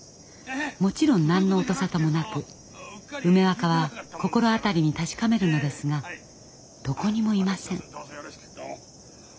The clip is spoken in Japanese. もちろん何の音沙汰もなく梅若は心当たりに確かめるのですがどこにもいません。